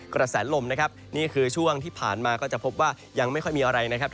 กระแสลมนะครับนี่คือช่วงที่ผ่านมาก็จะพบว่ายังไม่ค่อยมีอะไรนะครับ